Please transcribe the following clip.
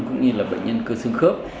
cũng như là bệnh nhân cơ xương khớp